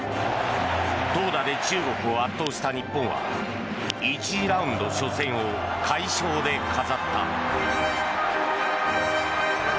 投打で中国を圧倒した日本は１次ラウンド初戦を快勝で飾った。